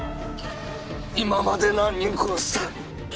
今まで何人殺した？